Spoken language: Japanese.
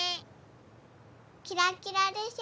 キラキラでしょ？